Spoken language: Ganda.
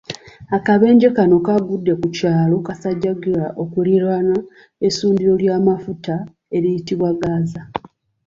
Akabenje kano kagudde ku kyalo Kasijagirwa okuliraana essundiro ly'amafuta eriyitibwa Gaz.